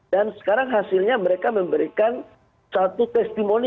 dan sekarang hasilnya mereka memberikan satu testimoni